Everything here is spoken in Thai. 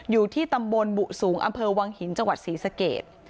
อยู่ที่ตำบลบุสูงอำเภอวังหินจังหวัดศรีสเกต